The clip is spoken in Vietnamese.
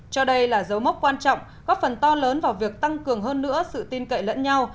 cho đây là dấu mốc quan trọng góp phần to lớn vào việc tăng cường hơn nữa sự tin cậy lẫn nhau